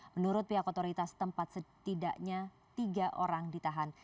menurut pihak otoritas tempat setidaknya tiga orang ditahan